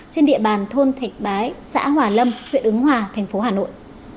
trên địa bàn thôn thạch bái xã hòa lâm huyện ứng hòa thành phố hà nội